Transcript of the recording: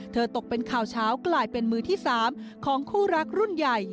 ตกเป็นข่าวเช้ากลายเป็นมือที่๓ของคู่รักรุ่นใหญ่